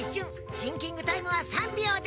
シンキングタイムは３びょうだ！